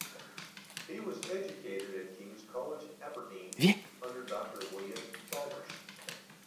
He was educated at King's College, Aberdeen, under Doctor William Chalmers.